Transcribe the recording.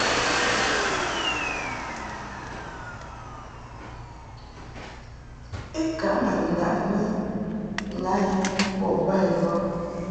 I ka ma ndaʼni na i bo ba i bə.